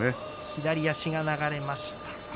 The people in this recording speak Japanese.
左足が流れました。